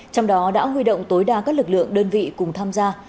trong đó đã huy động tối đa các lực lượng đơn vị cùng tham gia